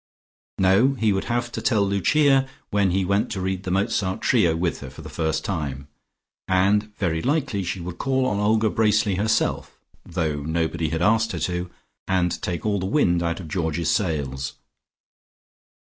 No; he would have to tell Lucia, when he went to read the Mozart trio with her for the first time, and very likely she would call on Olga Bracely herself, though nobody had asked her to, and take all the wind out of Georgie's sails.